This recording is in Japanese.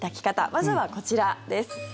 まずはこちらです。